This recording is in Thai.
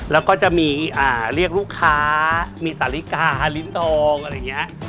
แล้วก็จะมีเรียกลูกค้ามีสาลิกาลิ้นทองอะไรอย่างนี้